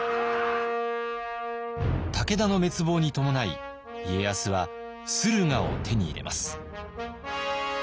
武田の滅亡に伴い家康は駿河を手に入れます。